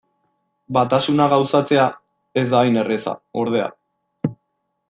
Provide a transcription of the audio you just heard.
Batasuna gauzatzea ez da hain erraza, ordea.